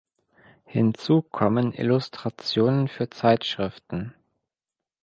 Hinzukommen Illustrationen für Zeitschriften.